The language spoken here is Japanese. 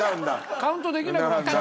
カウントできなくなっちゃうの。